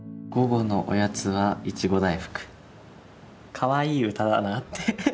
かわいい歌だなって。